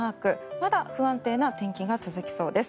まだ不安定な天気が続きそうです。